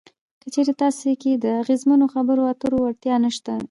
که چېرې تاسې کې د اغیزمنو خبرو اترو وړتیا نشته وي.